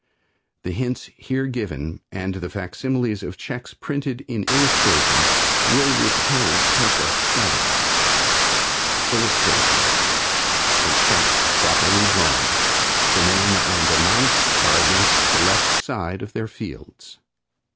The hints here given and the facsimiles of checks printed in illustration will repay careful study. [Illustration: A Check Properly Drawn. The name and amount are against the left side of their fields.